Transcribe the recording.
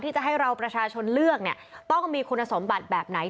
ที่จะให้เราประชาชนเลือกเนี่ยต้องมีคุณสมบัติแบบไหน